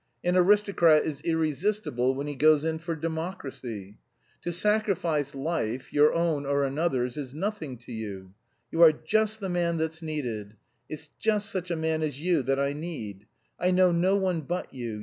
An aristocrat is irresistible when he goes in for democracy! To sacrifice life, your own or another's is nothing to you. You are just the man that's needed. It's just such a man as you that I need. I know no one but you.